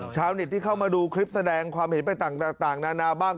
ชาวเน็ตที่เข้ามาดูคลิปแสดงความเห็นไปต่างนานาบ้าง